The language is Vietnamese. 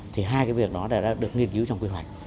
thì hai cái việc đó đã được nghiên cứu trong quy hoạch